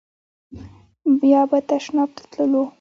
یا به تشناب ته تللو.